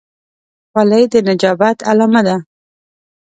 خولۍ د نجابت علامه ده.